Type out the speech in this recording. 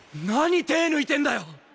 何手ぇ抜いてんだよ！